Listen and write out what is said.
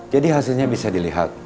jadi hasilnya bisa dilihat